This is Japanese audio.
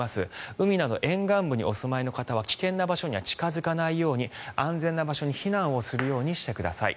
海など沿岸部にお住まいの方は危険な場所には近付かないように安全な場所に避難するようにしてください。